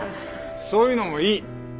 そういうのもいい。